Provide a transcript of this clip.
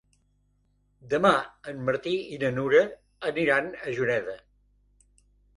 Demà en Martí i na Nura aniran a Juneda.